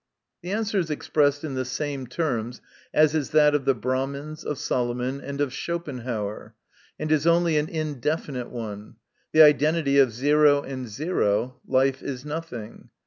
The answer is expressed in the same terms as is that of the Brahmins, of Solomon, and of Schopen hauer, and is only an indefinite one the identity of o and o, life is nothing.